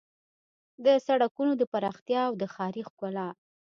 د سړکونو د پراختیا او د ښاري ښکلا